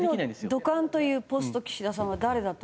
次のドカンというポスト岸田さんは誰だと？